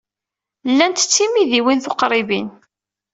Llant d timidiwin tuqribin.